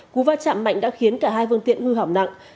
cú va chạm mạnh đã khiến cả hai phương tiện hư hỏng nặng